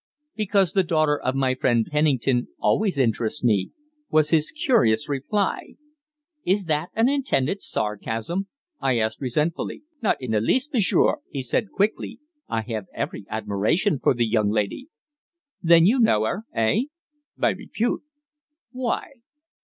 "Because the daughter of my friend Penning ton always interests me," was his curious reply. "Is that an intended sarcasm?" I asked resentfully. "Not in the least, m'sieur," he said quickly. "I have every admiration for the young lady." "Then you know her eh?" "By repute." "Why?"